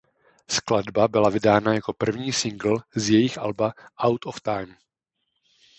Skladba byla vydána jako první singl z jejich alba "Out of Time".